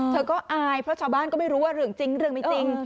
เธอก็อายเพราะชาวบ้านก็ไม่รู้ว่าเรื่องจริงเรื่องไม่จริง